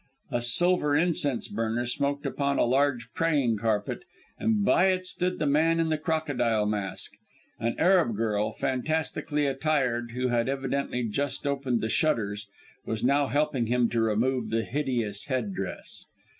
A silver incense burner smoked upon a large praying carpet, and by it stood the man in the crocodile mask. An Arab girl, fantastically attired, who had evidently just opened the shutters, was now helping him to remove the hideous head dress.